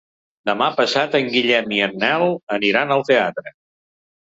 Demà passat en Guillem i en Nel aniran al teatre.